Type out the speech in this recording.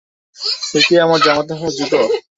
সে কি আমার জামাতা হওয়ার যোগ্য?